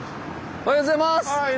おはようございます。